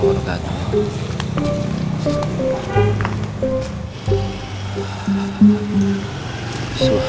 wah suhani allah